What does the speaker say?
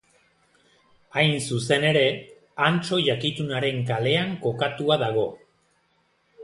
Hain zuzen ere, Antso Jakitunaren kalean kokatua dago.